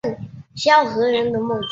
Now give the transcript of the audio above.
母封余姚县君。